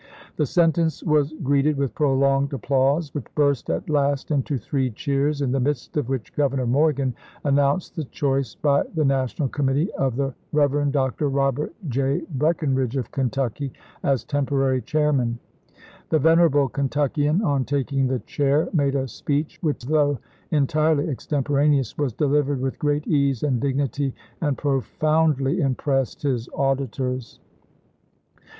The sentence was greeted with prolonged applause, which burst at last into three cheers, in the midst of which Governor Morgan announced the choice by the National Committee of the Rev. Dr. Robert J. Breckinridge of Kentucky as temporary chairman. The vener able Kentuckian on taking the chair made a speech which, though entirely extemporaneous, was de livered with great ease and dignity, and pro foundly impressed his auditors.